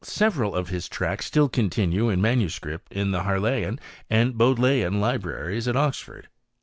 'i Several of his tracts still continue in manuscript in. t)ie Harleian and Bodleian libraries at Oxford.